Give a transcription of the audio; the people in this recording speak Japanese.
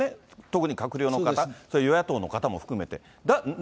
特に閣僚の方、与野党の方も含めて。